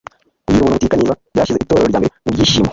Kugira ubuntu butikanyiza byashyize Itorero rya mbere mu byishyimo;